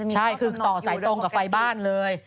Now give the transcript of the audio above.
ใช่คือต่อสายตรงกับไฟบ้านเลย